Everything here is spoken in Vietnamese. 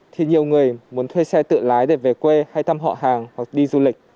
thì nhiều người muốn thuê xe tự lái để về quê hay thăm họ hàng hoặc đi du lịch